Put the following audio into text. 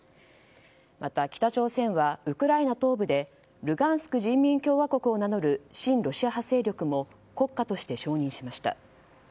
また北朝鮮はウクライナ東部でルガンスク人民共和国を名乗る親ロシア派勢力も国家として承認しました。